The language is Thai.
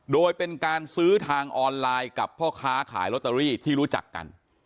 โดยเป็นการซื้อทางออนไลน์กับพ่อค้าขายลอตเตอรี่ที่รู้จักกัน